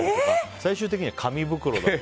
最終的には紙袋だとか。